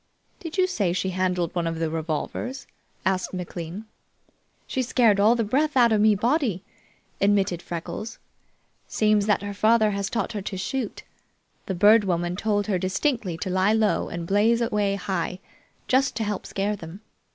"Did you say she handled one of the revolvers?" asked McLean. "She scared all the breath out of me body," admitted Freckles. "Seems that her father has taught her to shoot. The Bird Woman told her distinctly to lie low and blaze away high, just to help scare them.